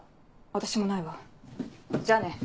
私もないわじゃあね。